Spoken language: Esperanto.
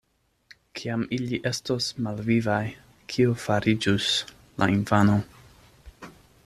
Kiam ili estos malvivaj, kio fariĝus la infano?